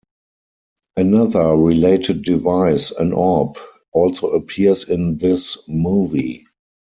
Another related device, an orb, also appears in this movie.